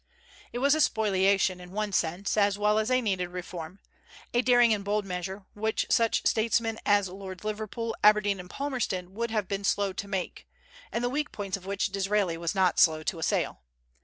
It was a spoliation, in one sense, as well as a needed reform, a daring and bold measure, which such statesmen as Lords Liverpool, Aberdeen, and Palmerston would have been slow to make, and the weak points of which Disraeli was not slow to assail.